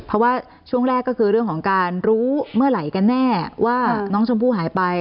เพราะว่าช่วงแรกก็คือเรื่องของการรู้เมื่อไหร่กันแน่ว่าน้องชมพู่หายไป